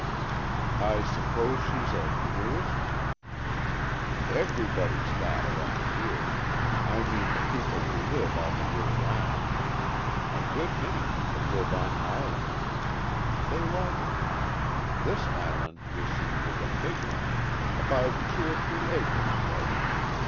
"I suppose she's a canoeist." "Everybody's that, around here. I mean the people who live all the year round. A good many people live on islands. They like it. This island, you see, is a big one. About two or three acres, say.